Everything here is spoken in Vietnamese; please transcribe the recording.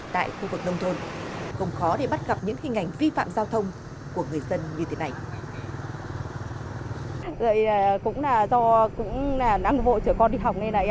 tại khu vực nông thôn không khó để bắt gặp những hình ảnh vi phạm giao thông của người dân như thế này